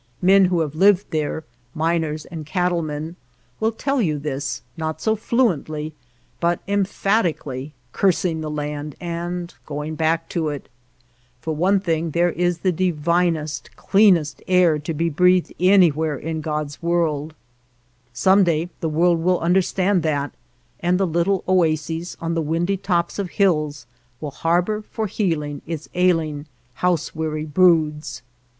Men who have lived there, miners and cat tle men, will tell you this, not so fluently, but emphatically, cursing the land and go ing back to it. For one thing there is the i6 THE LAND OF LITTLE RAIN divinest, cleanest air to be breathed any where in God's world. Some day the world will understand that, and the little oases on the windy tops of hills will har bor for healing its ailing, house weary broods.